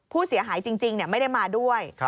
ผู้เสียหายจริงไม่ได้มาด้วย